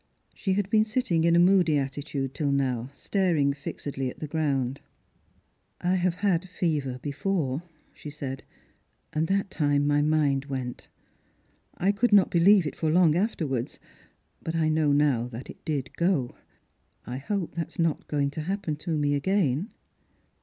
She had been sitting in a moody attitude till now, staring fixedly at the ground. 822 Strangers and Pilgrims. " I have had fever before," she said ;" and that time my mind went. I could not believe it for long afterwards, but I know now that it did go. I hope that is not going to happen to me again."